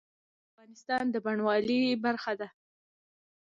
دښتې د افغانستان د بڼوالۍ برخه ده.